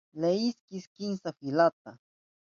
Leyinki kimsa filata.